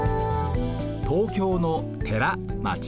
東京の寺町。